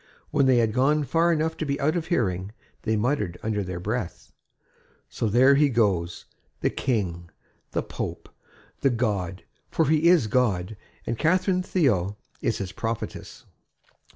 When they had gone far enough to be out of hearing, they muttered under their breath: "So there he goes, the King, the Pope, the God. For he is God; and Catherine Théot is his prophetess."